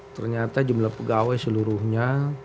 ternyata jumlah pegawai seluruhnya